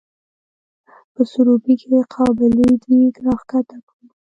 په سروبي کې قابلي دیګ راښکته کړو.